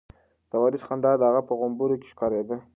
د وارث خندا د هغه په غومبورو کې ښکارېده.